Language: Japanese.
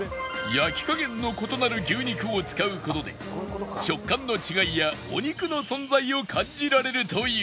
焼き加減の異なる牛肉を使う事で食感の違いやお肉の存在を感じられるという